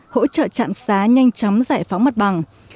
hỗ trợ trạm xá nhanh chóng giải phóng mặt bằng